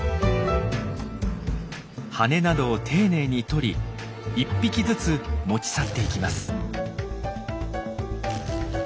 羽などを丁寧に取り１匹ずつ持ち去っていきます。